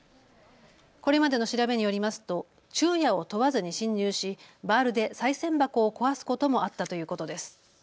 これまでの調べによりますと昼夜を問わずに侵入しバールでさい銭箱を壊すこともあったということです。